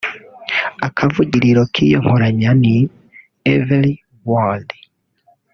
Akavugiriro k’iyi nkoranya ni “Every Word